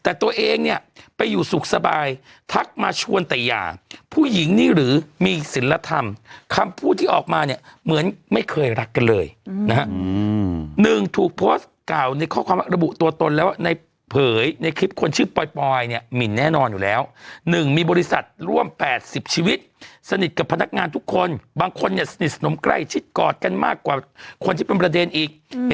แต่ตัวเองเนี่ยไปอยู่สุขสบายทักมาชวนแต่หย่าผู้หญิงนี่หรือมีศิลธรรมคำพูดที่ออกมาเนี่ยเหมือนไม่เคยรักกันเลยนะฮะ๑ถูกโพสต์กล่าวในข้อความว่าระบุตัวตนแล้วในเผยในคลิปคนชื่อปอยเนี่ยหมินแน่นอนอยู่แล้ว๑มีบริษัทร่วม๘๐ชีวิตสนิทกับพนักงานทุกคนบางคนเนี่ยสนิทสนมใกล้ชิดกอดกันมากกว่าคนที่เป็นประเด็นอีก